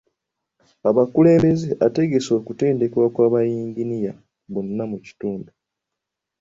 Abakulembeze ategese okutendekebwa kwa bayinginiya bonna mu kitundu.